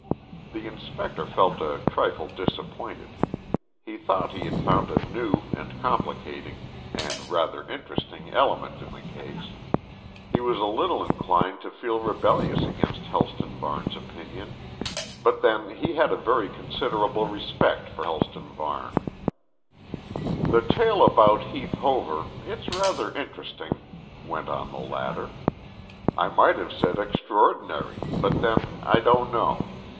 The inspector felt a trifle disappointed. He thought he had found a new, and complicating, and rather interesting element in the case. He was a little inclined to feel rebellious against Helston Varne's opinion, but then he had a very considerable respect for Helston Varne. "The tale about Heath Hover it's rather interesting," went on the latter. "I might have said extraordinary, but then, I don't know.